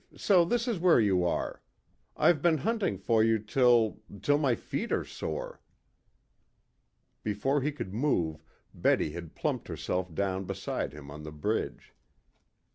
So this is where you are! I've been hunting for you till till my feet are sore." Before he could move Betty had plumped herself down beside him on the bridge.